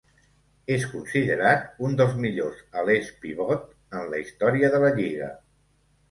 És considerat un dels millors alers pivot en la història de la lliga.